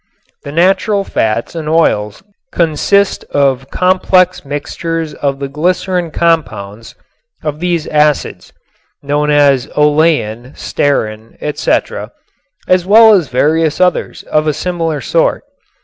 The natural fats and oils consist of complex mixtures of the glycerin compounds of these acids (known as olein, stearin, etc.), as well as various others of a similar sort.